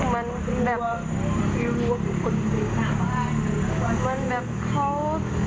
มันแบบอยู่ทุกคนมันแบบเขา